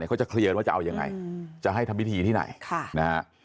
เขาจะเคลียร์กันว่าจะเอายังไงจะให้ทำพิธีที่ไหนนะฮะ